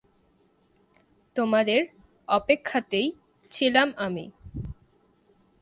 তোমাদের অপেক্ষাতেই ছিলাম আমি।